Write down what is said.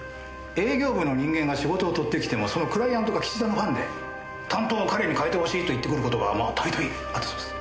営業部の人間が仕事を取ってきてもそのクライアントが岸田のファンで担当を彼に変えてほしいと言ってくる事がたびたびあったそうです。